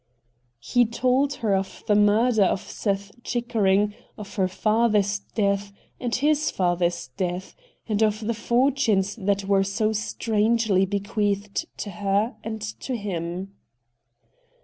He told her of the murder of Seth Chickering, of her father's death, and his father's death, and of the fortunes that were so strangely bequeathed to her and him.